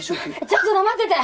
ちょっと黙ってて！